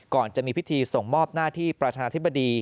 ก่อนจะมีพิธีส่งมอบหน้าที่ประธานาธิบดี